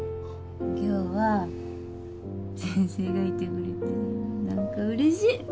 今日は先生がいてくれてなんかうれしい！